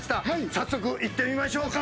早速、行ってみましょうか。